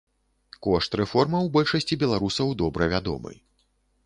Кошт рэформаў большасці беларусаў добра вядомы.